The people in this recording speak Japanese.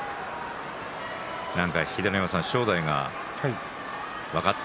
秀ノ山さん正代は分かった？